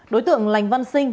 đối tượng lành văn sinh